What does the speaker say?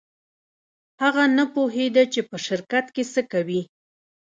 هغه نه پوهېده چې په شرکت کې څه کوي.